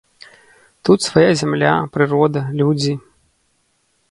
Тут свая зямля, прырода, людзі.